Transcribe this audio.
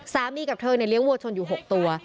สามีกับเธอเลี้ยงวัวชนอยู่๖ตัว